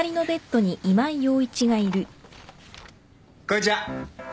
こんにちは。